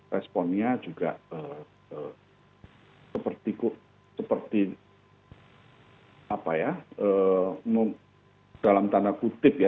responnya juga seperti dalam tanda kutip ya